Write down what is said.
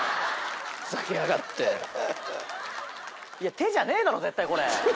手じゃねぇだろ絶対これ。